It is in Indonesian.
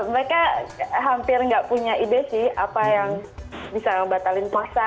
mereka hampir nggak punya ide sih apa yang bisa membatalkan puasa